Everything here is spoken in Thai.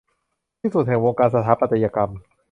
ที่สุดแห่งวงการสถาปัตยกรรม